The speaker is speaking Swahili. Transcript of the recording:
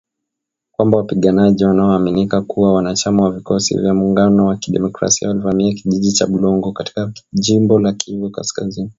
Kwamba wapiganaji wanaoaminika kuwa wanachama wa Vikosi vya Muungano wa Kidemokrasia walivamia kijiji cha Bulongo katika jimbo la Kivu kaskazini.